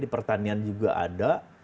di pertanian juga ada